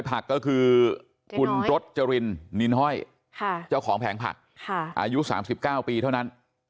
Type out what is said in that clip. ผักก็คือคุณรสจรินนินห้อยเจ้าของแผงผักอายุ๓๙ปีเท่านั้น